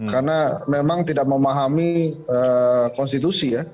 karena memang tidak memahami konstitusi ya